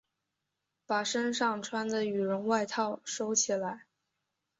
把身上穿的羽绒外套收起来